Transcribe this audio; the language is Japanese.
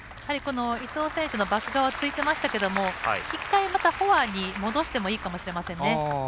伊藤選手のバック側をついていましたけど１回、またフォアに戻してもいいかもしれませんね。